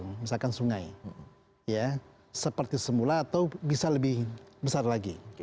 misalkan sungai seperti semula atau bisa lebih besar lagi